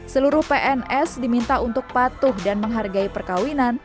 seluruh pns diminta untuk patuh dan menghargai perkawinan